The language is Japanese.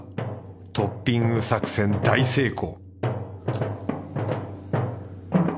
トッピング作戦大成功！